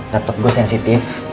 datuk gue sensitif